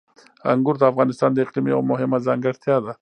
انګور د افغانستان د اقلیم یوه مهمه ځانګړتیا ده.